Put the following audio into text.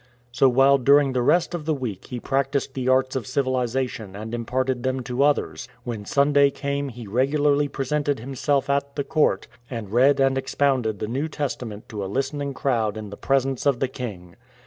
So while during the rest of the week he practised the arts of civilization and imparted them to others, when Sunday came he regularly presented himself at the court, and read and expounded the New Testament to a listening crowd in the presence of the king.